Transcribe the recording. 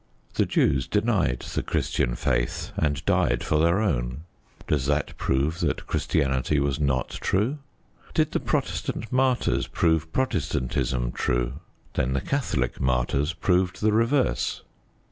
The Jews denied the Christian faith, and died for their own. Does that prove that Christianity was not true? Did the Protestant martyrs prove Protestantism true? Then the Catholic martyrs proved the reverse.